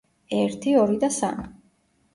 ერთი, ორი და სამი.